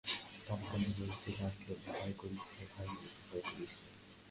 কানে কানে বলতে লাগল, ভয় করিস নে ভাই, ভয় করিস নে।